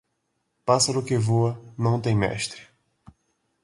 Pássaro que voa, não tem mestre.